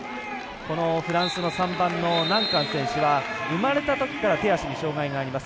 フランスのナンカン選手は生まれたときから手足に障がいがあります。